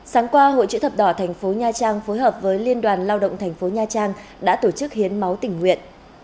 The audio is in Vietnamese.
sáng qua hội chữ thập đỏ tp nha trang phối hợp với liên đoàn lao động tp nha trang đã tổ chức hiến máu tình nguyện